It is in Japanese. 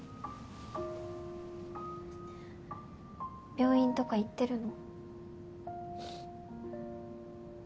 病院とか行ってるの？